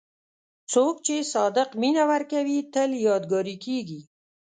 څوک چې صادق مینه ورکوي، تل یادګاري کېږي.